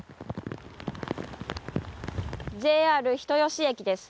ＪＲ人吉駅です。